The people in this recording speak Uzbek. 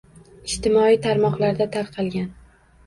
Ijtimoiy tarmoqlarda tarqalgan